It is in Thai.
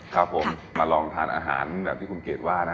ครับผมมาลองทานอาหารแบบที่คุณเกดว่านะ